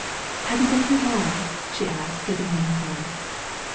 "Have you been here long?" she said, giving him her hand.